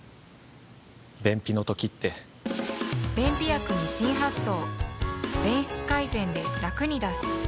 便秘の時って便秘薬に新発想